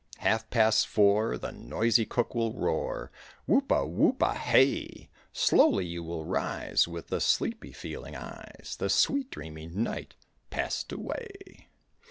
Half past four, the noisy cook will roar, "Whoop a whoop a hey!" Slowly you will rise with sleepy feeling eyes, The sweet, dreamy night passed away.